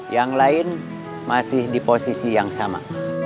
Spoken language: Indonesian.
yang lain masih di posisi yang sama